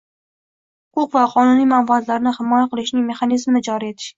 huquq va qonuniy manfaatlarini himoya qilishning mexanizmini joriy etish